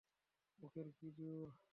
মুখের কি জোর!